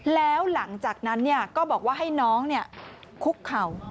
แล้วหลังจากนั้นก็บอกว่าให้น้องคุกเข่า